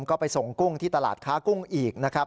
ก็ไปส่งกุ้งที่ตลาดค้ากุ้งอีกนะครับ